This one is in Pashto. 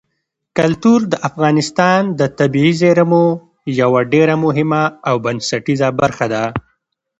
کلتور د افغانستان د طبیعي زیرمو یوه ډېره مهمه او بنسټیزه برخه ده.